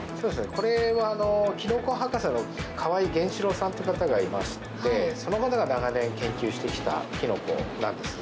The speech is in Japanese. これはキノコ博士の川合源四郎さんって方がいましてその方が長年研究してきたキノコなんです。